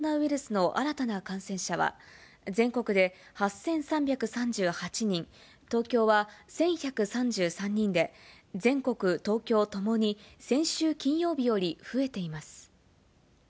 厚生労働省がきのう発表した、新型コロナウイルスの新たな感染者は、全国で８３３８人、東京は１１３３人で、全国、東京ともに先週金曜日より増えています。